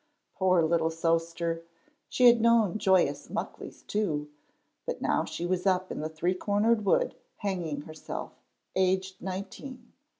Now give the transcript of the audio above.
Poor little sewster, she had known joyous Muckleys too, but now she was up in the Three cornered Wood hanging herself, aged nineteen.